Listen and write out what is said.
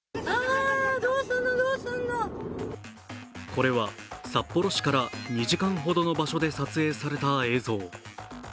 これは札幌市から２時間ほどの場所で撮影された映像。